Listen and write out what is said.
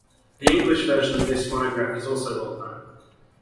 The English version of this monograph is also well known.